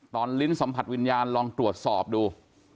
ลิ้นสัมผัสวิญญาณลองตรวจสอบดู